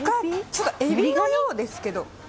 ちょっとエビのようですけど。